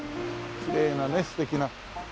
きれいなね素敵な。